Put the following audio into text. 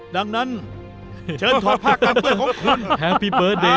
ดังนั้นเชิญถอดผ้ากลางเกิดของคุณ